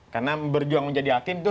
karena berjuang menjadi hakim itu